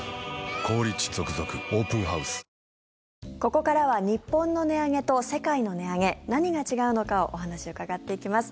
ここからは日本の値上げと世界の値上げ何が違うのかをお話を伺っていきます。